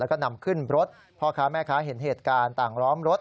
แล้วก็นำขึ้นรถพ่อค้าแม่ค้าเห็นเหตุการณ์ต่างล้อมรถ